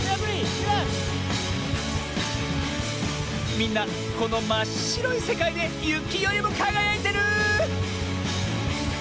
みんなこのまっしろいせかいでゆきよりもかがやいてる！